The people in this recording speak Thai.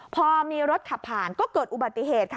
พอมีรถขับผ่านก็เกิดอุบัติเหตุค่ะ